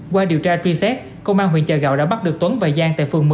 qua điều tra truy xét công an huyện chợ gạo đã bắt được tuấn và giang tại phường một